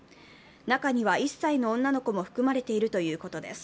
中には１歳の女の子も含まれているということです。